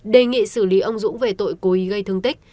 đề nghị xử lý ông dũng về tội cố ý gây thương tích